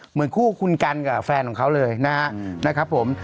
เหมือนคู่คุณกันกับแฟนของเขาเลยนะครับผม